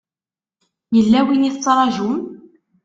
Yella win i tettṛajum?